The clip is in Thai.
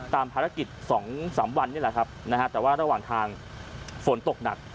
ภารกิจ๒๓วันนี่แหละครับนะฮะแต่ว่าระหว่างทางฝนตกหนัก